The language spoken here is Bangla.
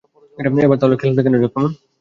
এবার তাহলে খেল দেখানো যাক, কেমন?